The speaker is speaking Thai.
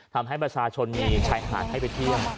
ทำให้ประชาชนมีชายหาดให้ไปเที่ยว